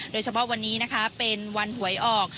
โดยเฉพาะวันนี้นะคะเป็นวันหวยออก